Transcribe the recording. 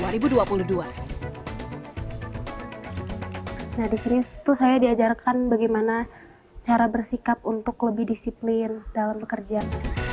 nah disini saya diajarkan bagaimana cara bersikap untuk lebih disiplin dalam pekerjaan